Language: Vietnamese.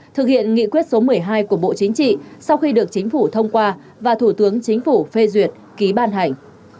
thực hiện nghị quyết số một mươi hai của bộ chính trị sau khi được chính phủ thông qua và thủ tướng chính phủ phê duyệt ký ban hành